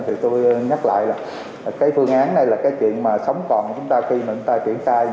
thì tôi nhắc lại là cái phương án này là cái chuyện mà sống còn của chúng ta khi mà chúng ta chuyển tay